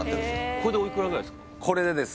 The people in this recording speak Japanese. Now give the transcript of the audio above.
これでおいくらぐらいですか？